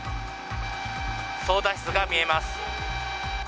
操舵室が見えます。